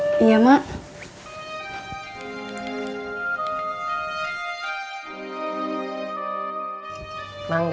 tadi itu si alva itu nangis